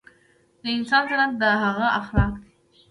دانسان زينت دهغه اخلاق دي